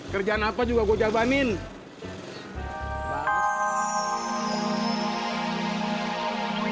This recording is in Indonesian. kerjaan apa juga gue jabanin